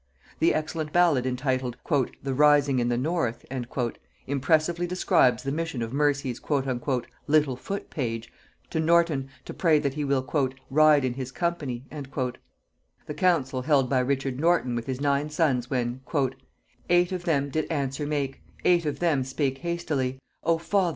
The excellent ballad entitled "The Rising in the North" impressively describes the mission of Percy's "little foot page" to Norton, to pray that he will "ride in his company;" the council held by Richard Norton with his nine sons, when "Eight of them did answer make, Eight of them spake hastily, O father!